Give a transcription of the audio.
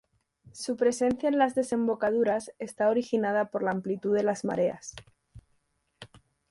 Su presencia en las desembocaduras está originada por la amplitud de las mareas.